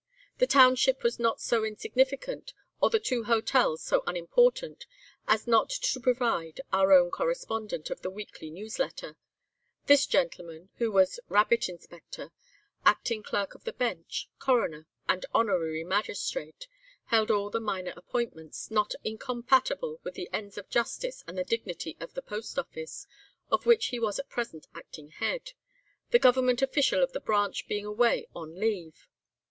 The township was not so insignificant or the two hotels so unimportant, as not to provide "Our Own Correspondent" of the Weekly Newsletter. This gentleman, who was Rabbit Inspector, Acting Clerk of the Bench, Coroner, and Honorary Magistrate, held all the minor appointments, not incompatible with the ends of justice, and the dignity of the Post Office, of which he was the present acting head, the Government Official of the branch being away on leave.